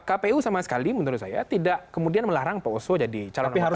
kpu sama sekali menurut saya tidak kemudian melarang pak oswo jadi calon anggota dpd